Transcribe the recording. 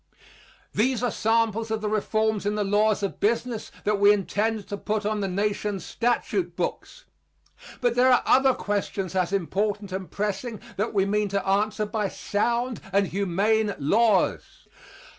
These are samples of the reforms in the laws of business that we intend to put on the Nation's statute books. But there are other questions as important and pressing that we mean to answer by sound and humane laws.